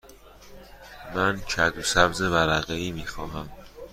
من کدو سبز ورقه ای می خواهم.